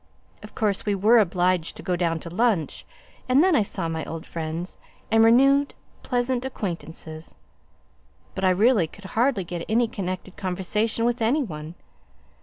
Of course we were obliged to go down to lunch, and then I saw my old friends, and renewed pleasant acquaintances. But I really could hardly get any connected conversation with any one.